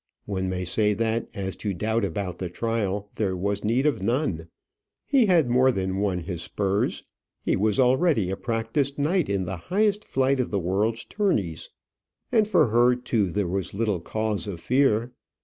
One may say that, as to doubt about the trial, there was need of none. He had more than won his spurs. He was already a practised knight in the highest flight of the world's tourneys. And for her, too, there was little cause of fear.